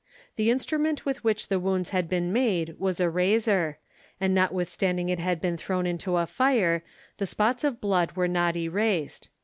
The instrument with which the wounds had been made was a razor; and notwithstanding it had been thrown into a fire, the spots of blood were not erased.